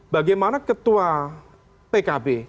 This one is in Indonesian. bagaimana ketua pkb